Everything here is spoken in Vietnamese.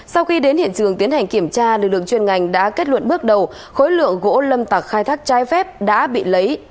sau khi đến hiện trường tiến hành kiểm tra lực lượng chuyên ngành đã kết luận bước đầu khối lượng gỗ lâm tặc khai thác trái phép đã bị lấy